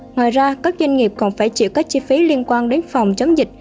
ngoài ra các doanh nghiệp còn phải chịu các chi phí liên quan đến phòng chống dịch